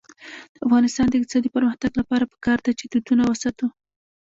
د افغانستان د اقتصادي پرمختګ لپاره پکار ده چې دودونه وساتو.